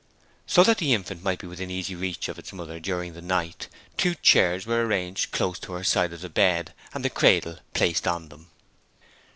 So that the infant might be within easy reach of its mother during the night, two chairs were arranged close to her side of the bed and the cradle placed on them.